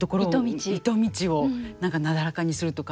糸道を何かなだらかにするとか。